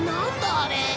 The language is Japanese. あれ。